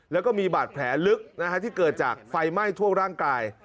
แล้วก็มีบาดแผลลึกที่เกิดจากไฟไหม้ทั่วร่างกาย